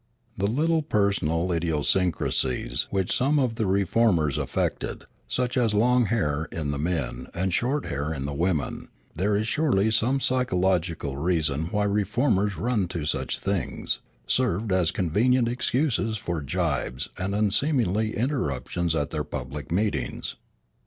The little personal idiosyncrasies which some of the reformers affected, such as long hair in the men and short hair in the women, there is surely some psychological reason why reformers run to such things, served as convenient excuses for gibes and unseemly interruptions at their public meetings.